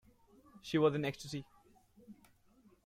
She was in ecstasy.